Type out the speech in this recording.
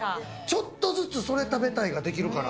ちょっとずつ、それ食べたいができるから。